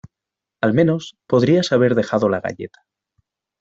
Al menos podrías haber dejado la galleta.